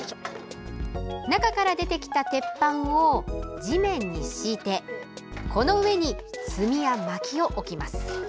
中から出てきた鉄板を地面に敷いてこの上に炭や、まきを置きます。